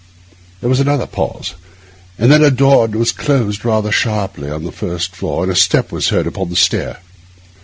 There was another pause, and then a door was closed rather sharply on the first floor, and a step was heard upon the stair.